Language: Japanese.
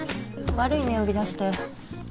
悪いね呼び出して。